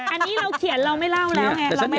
อันนี้เราเขียนเราไม่เล่าแล้วไง